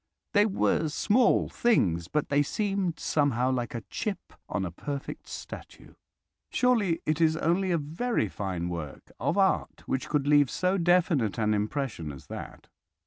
They were small things, but they seemed somehow like a chip on a perfect statue. Surely it is only a very fine work, of art which could leave so definite an impression as that.